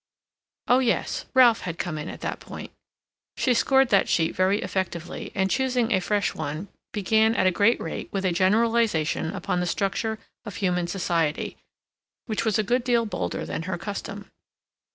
Oh, yes, Ralph had come in at that point. She scored that sheet very effectively, and, choosing a fresh one, began at a great rate with a generalization upon the structure of human society, which was a good deal bolder than her custom.